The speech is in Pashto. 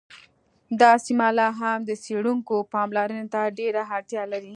دا سیمه لا هم د څیړونکو پاملرنې ته ډېره اړتیا لري